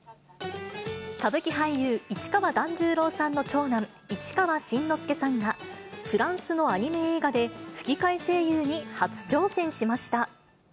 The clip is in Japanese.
歌舞伎俳優、市川團十郎さんの長男、市川新之助さんがフランスのアニメ映画で吹き替え声優に初挑戦しました。